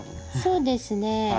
そうですね。